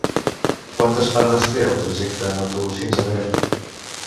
Quantes parades té el trajecte en autobús fins a Tremp?